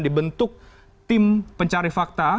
dibentuk tim pencari fakta